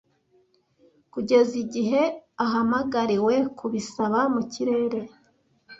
Kugeza igihe ahamagariwe kubisaba mu kirere.